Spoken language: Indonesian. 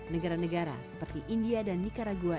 negara negara seperti india dan nicaragua